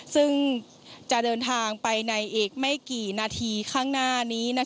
ซึ่งจะเดินทางไปในอีกไม่กี่นาทีข้างหน้านี้